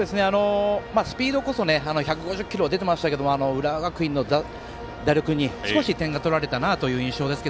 スピードこそ１５０キロは出ていましたけど浦和学院の打力に少し点が取られたなという印象です。